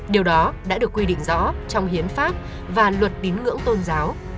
điều đó đã được quy định rõ trong hiến pháp và luật tín ngưỡng tôn giáo